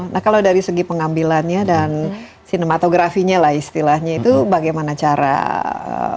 nah kalau dari segi pengambilannya dan sinematografinya lah istilahnya itu bagaimana caranya